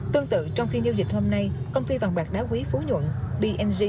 tương tự trong phiên nhiêu dịch hôm nay công ty vàng bạc đáng quý phú nhuận bmg